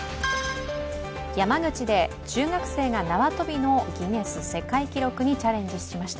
山口で中学生が縄跳びのギネス世界記録にチャレンジしました。